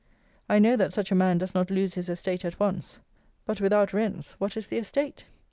I know that such a man does not lose his estate at once; but, without rents, what is the estate?